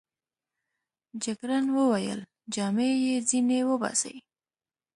جګړن وویل: جامې يې ځینې وباسئ.